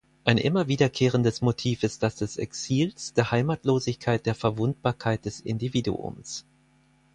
Ein immer wiederkehrendes Motiv ist das des Exils, der Heimatlosigkeit, der Verwundbarkeit des Individuums.